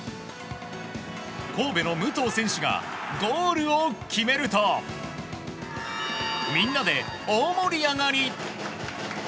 神戸の武藤選手がゴールを決めるとみんなで大盛り上がり！